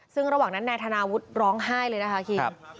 ซึ่งระหว่างนั้นนายธนาวุฒิร้องไห้เลยนะคะคิง